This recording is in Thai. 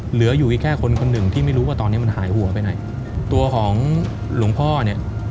เหลืออยู่อีกแค่คนคนหนึ่งที่ไม่รู้ว่าตอนนี้มันหายหัวไปไหนตัวของหลวงพ่อเนี่ย